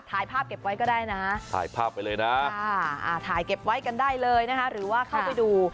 ถ่ายภาพเก็บไว้ก็ได้นะถ่ายภาพไปเลยนะถ่ายเก็บไว้กันได้เลยนะคะหรือว่าเข้าไปดู